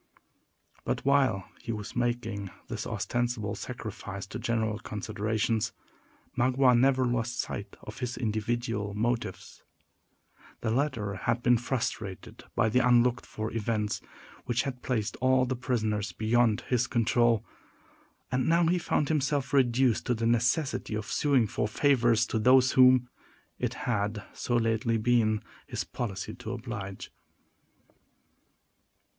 But, while he was making this ostensible sacrifice to general considerations, Magua never lost sight of his individual motives. The latter had been frustrated by the unlooked for events which had placed all his prisoners beyond his control; and he now found himself reduced to the necessity of suing for favors to those whom it had so lately been his policy to oblige.